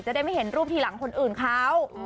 ได้ไม่เห็นรูปทีหลังคนอื่นเขา